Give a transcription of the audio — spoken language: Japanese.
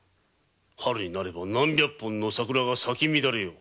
春になれば何百本の桜が咲こう。